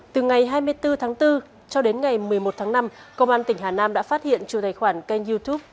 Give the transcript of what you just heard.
từ ngày hai mươi bốn tháng bốn cho đến ngày một mươi một tháng năm công an tỉnh hà nam đã phát hiện chủ tài khoản kênh youtube